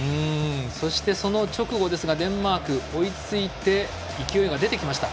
そして、その直後ですがデンマーク、追いついて勢いが出てきました。